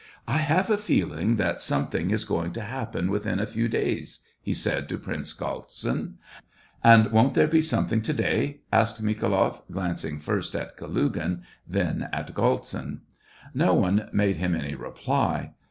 " I have a feeling that something is going to happen within a few days," he said to Prince Galtsin. " And won't there be something to day.?" asked Mikhailoff, glancing first at Kalugin, then at Galtsin. No one made him any reply.